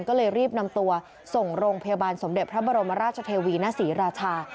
ก็เลยรีบนำตัวส่งโรงพยาบาลสมเด็จพระบรมราชเทวีณศรีราชา